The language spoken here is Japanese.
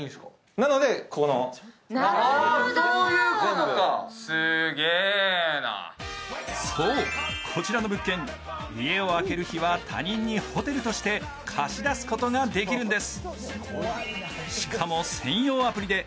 なので、このそう、こちらの物件、家を空ける日は他人にホテルとして貸し出すことができるんです。